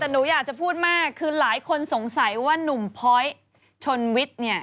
แต่หนูอยากจะพูดมากคือหลายคนสงสัยว่านุ่มพ้อยชนวิทย์เนี่ย